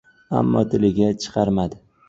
Ammo tiliga chiqarmadi.